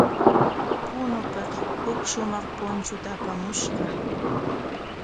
Punopik huk shumaq punchuta apamushqa.